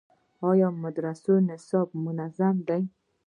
آیا د مدرسو نصاب منظم دی؟